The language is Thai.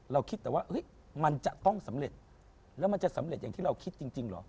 คิดแต่ว่ามันจะต้องสำเร็จแล้วมันจะสำเร็จอย่างที่เราคิดจริงเหรอ